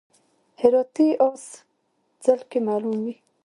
هراتی اس ځل کې معلوم وي.